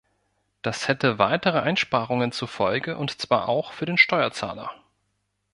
Das hätte weitere Einsparungen zur Folge, und zwar auch für den Steuerzahler.